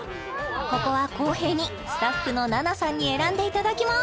ここは公平にスタッフのナナさんに選んでいただきます！